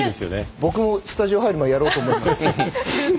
僕もスタジオに入る前にやろうと思います。